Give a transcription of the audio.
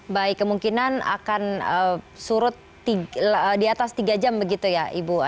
baik kemungkinan akan surut di atas tiga jam begitu ya ibu